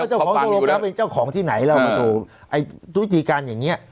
เจ้าของโซโลแกนเป็นเจ้าของที่ไหนแล้วมันถูกไอ้ตุรกิจการอย่างเงี้ย